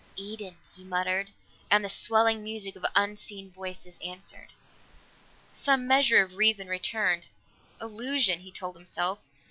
"Eden!" he muttered, and the swelling music of unseen voices answered. Some measure of reason returned. "Illusion!" he told himself.